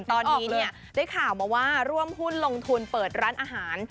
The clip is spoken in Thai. ตอนนี้เนี่ยได้ข่าวมาว่าร่วมหุ้นลงทุนเปิดร้านอาหาร